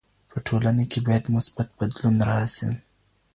په ټولنه کي بايد مثبت بدلون راسي.